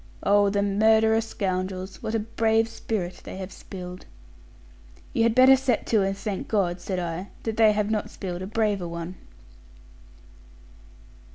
Oh, the murderous scoundrels, what a brave spirit they have spilled!' 'You had better set to and thank God,' said I, 'that they have not spilled a braver one.'